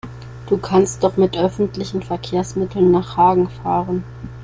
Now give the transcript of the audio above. Du kannst doch mit öffentlichen Verkehrsmitteln nach Hagen fahren